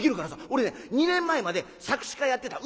俺ね２年前まで作詞家やってた」。